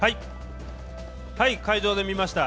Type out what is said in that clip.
会場で見ました。